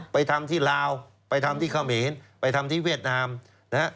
ไปทำที่ลาวไปทำที่เขาเหมียนไปทำที่เวียดนาม